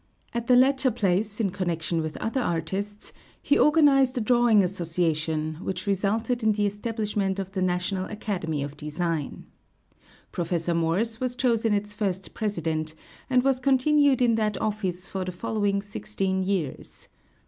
At the latter place, in connection with other artists, he organized a drawing association, which resulted in the establishment of the National Academy of Design. Prof. Morse was chosen its first President, and was continued in that office for the following sixteen years.